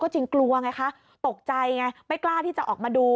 จริงกลัวไงคะตกใจไงไม่กล้าที่จะออกมาดู